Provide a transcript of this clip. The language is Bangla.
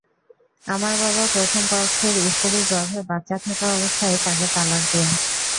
আমার বাবা প্রথম পক্ষের স্ত্রীর গর্ভে বাচ্চা থাকা অবস্থায় তাঁকে তালাক দেন।